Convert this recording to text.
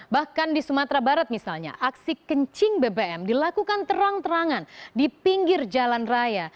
bahkan di sumatera barat misalnya aksi kencing bbm dilakukan terang terangan di pinggir jalan raya